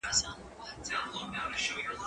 که وخت وي، کتابتوني کار کوم!؟